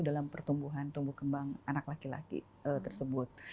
dalam pertumbuhan tumbuh kembang anak laki laki tersebut